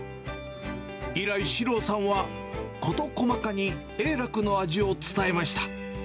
以来、四朗さんは事細かに栄楽の味を伝えました。